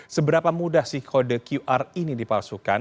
seberapa mudah sih kode qr ini dipalsukan